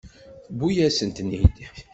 Tewwi-yasen-ten-id.